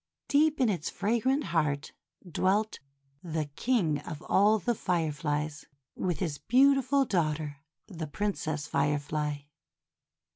Deep in its fragrant heart dwelt the King of All the Fireflies, with his beautiful daughter, the Prin cess Firefly.